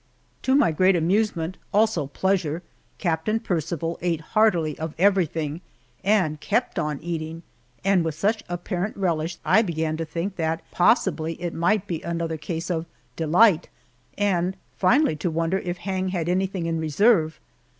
To my great amusement, also pleasure. Captain Percival ate heartily of everything, and kept on eating, and with such apparent relish I began to think that possibly it might be another case of "delight," and finally to wonder if Hang had anything in reserve.